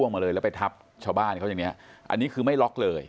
มาเลยแล้วไปทับชาวบ้านเขาอย่างนี้อันนี้คือไม่ล็อกเลย